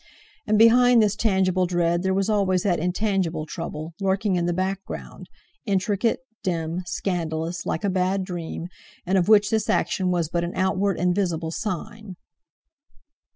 And behind this tangible dread there was always that intangible trouble, lurking in the background, intricate, dim, scandalous, like a bad dream, and of which this action was but an outward and visible sign.